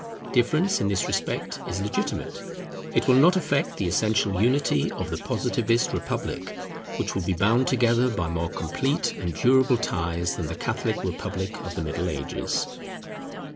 Difference in this respect is legitimate: it will not affect the essential unity of the Positivist Republic, which will be bound together by more complete and durable ties than the Catholic Republic of the Middle Ages.